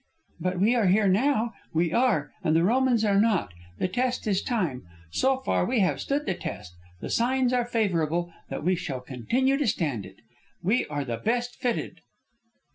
'" "But we are here, now. We are, and the Romans are not. The test is time. So far we have stood the test; the signs are favorable that we shall continue to stand it. We are the best fitted!"